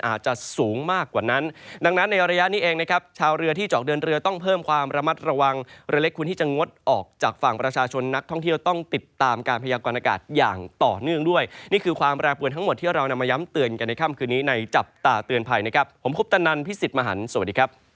อาจจะสูงมากกว่านั้นดังนั้นในระยะนี้เองนะครับชาวเรือที่จะออกเดินเรือต้องเพิ่มความระมัดระวังเรือเล็กควรที่จะงดออกจากฝั่งประชาชนนักท่องเที่ยวต้องติดตามการพยากรณากาศอย่างต่อเนื่องด้วยนี่คือความแปรปวนทั้งหมดที่เรานำมาย้ำเตือนกันในค่ำคืนนี้ในจับตาเตือนภัยนะครับผมคุปตนันพิสิทธิ์มหันฯสวัสดีครับ